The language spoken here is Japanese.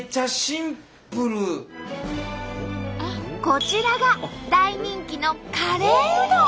こちらが大人気のカレーうどん。